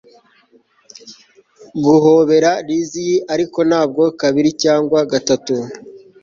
Guhobera Lizzie ariko ntabwo kabiri cyangwa gatatu